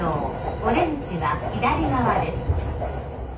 お出口は左側です」。